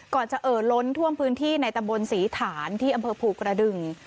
จะเอ่อล้นท่วมพื้นที่ในตำบลศรีฐานที่อำเภอภูกระดึง